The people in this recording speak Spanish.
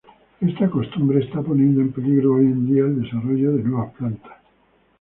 Esta costumbre está poniendo en peligro hoy en día el desarrollo de nuevas plantas.